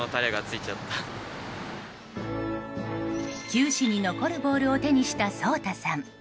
球史に残るボールを手にした蒼大さん。